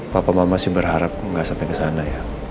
papa mama sih berharap gak sampe kesana ya